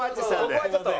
ここはちょっと。